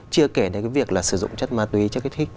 chưa kể đến cái việc là sử dụng chất ma túy chất kích thích